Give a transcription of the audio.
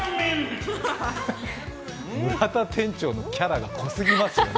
店長のキャラが濃すぎますよ。